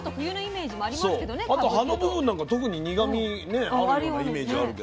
あと葉の部分なんかは特に苦みねあるようなイメージあるけど。